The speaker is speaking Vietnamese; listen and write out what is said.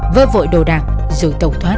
vơ vội đồ đạc rồi tẩu thoát